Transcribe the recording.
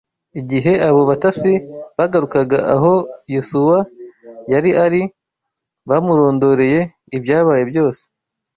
Igihe abo batasi bagarukaga aho Yosuwa yari ari, bamurondoreye ibyabaye byose